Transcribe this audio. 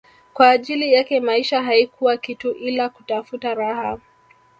kwa ajili yake maisha haikuwa kitu ila kutafuta raha